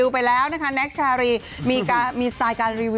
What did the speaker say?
ไม่รับงานคือไม่จริงเลยนะถามโฟกัสได้